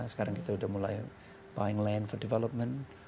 sekarang kita udah mulai buying land for development